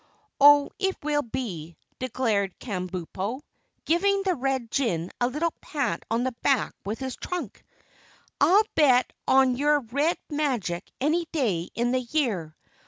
"Oh, it will be," declared Kabumpo, giving the Red Jinn a little pat on the back with his trunk. "I'll bet on your red magic any day in the year.